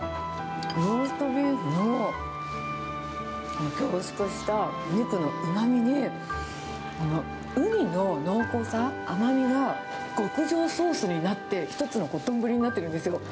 ローストビーフの凝縮したお肉のうまみに、ウニの濃厚さ、甘みが、極上ソースになって１つの丼になってるんですよ。